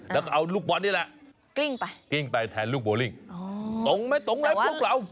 แล้วก็เอาลูกบอลนี่แหละกริ้งไปแทนลูกโบลิ่งตรงไหมตรงไหนพวกเรา